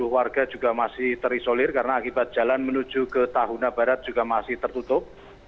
warga juga masih terisolir karena akibat jalan menuju ke tahuna barat juga masih tertutup